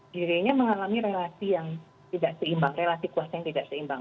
dirinya mengalami relasi yang tidak seimbang relasi kuasa yang tidak seimbang